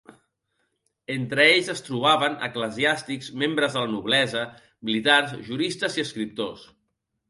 Entre ells es trobaven eclesiàstics, membres de la noblesa, militars, juristes i escriptors.